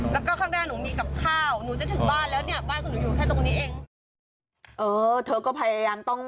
แล้วก็ข้างหน้าหนูมีกับข้าวหนูจะถึงบ้านแล้วเนี่ยบ้านของหนูอยู่แค่ตรงนี้เอง